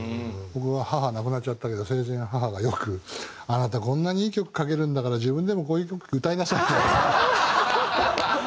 僕は母亡くなっちゃったけど生前母がよく「あなたこんなにいい曲書けるんだから自分でもこういう曲歌いなさいよ」って。